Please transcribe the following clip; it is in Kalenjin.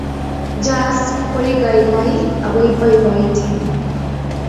jazz kokaikai ako paipaiti